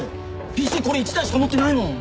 ＰＣこれ１台しか持ってないもん！